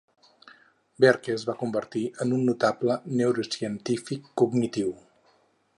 Barke es va convertir en un notable neurocientífic cognitiu.